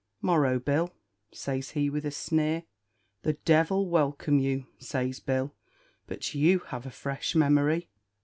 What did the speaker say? "Morrow, Bill!" says he with a sneer. "The devil welcome you!" says Bill; "but you have a fresh memory."